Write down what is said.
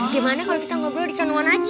gimana kalau kita ngobrol di san juan aja